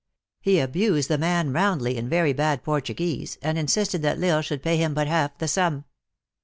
He abused the man roundly in very bad Por tuguese, and insisted that L lsle should pay him but half the sum.